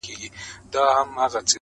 حاکم وویل ته کډه سه کاشان ته!!